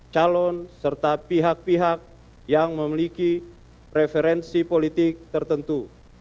calon serta pihak pihak yang memiliki preferensi politik tertentu